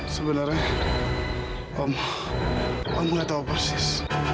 sebenarnya om nggak tahu persis